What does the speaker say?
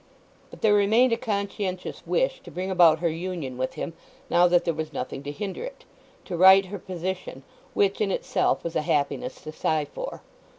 But there remained a conscientious wish to bring about her union with him, now that there was nothing to hinder it—to right her position—which in itself was a happiness to sigh for.